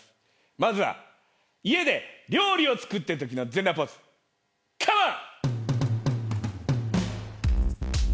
まずは家で料理を作っているときの全裸ポーズ、カモン。